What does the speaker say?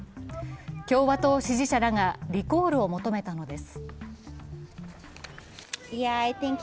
共和党支持者らがリコールを求めたのです。